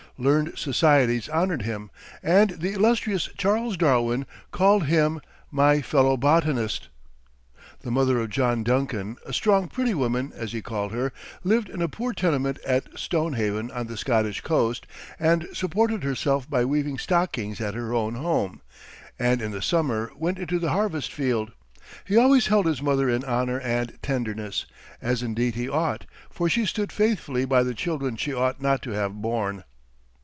Learned societies honored him, and the illustrious Charles Darwin called him "my fellow botanist." [Illustration: John Duncan] The mother of John Duncan, a "strong, pretty woman," as he called her, lived in a poor tenement at Stonehaven, on the Scottish coast, and supported herself by weaving stockings at her own home, and in the summer went into the harvest field. He always held his mother in honor and tenderness, as indeed he ought, for she stood faithfully by the children she ought not to have borne.